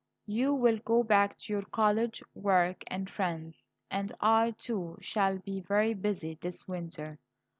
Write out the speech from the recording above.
"You will go back to your college work and friends; and I, too, shall be very busy this winter.